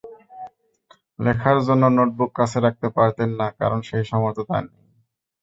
লেখার জন্য নোটবুক কাছে রাখতে পারতেন না, কারণ সেই সামর্থ্য তাঁর নেই।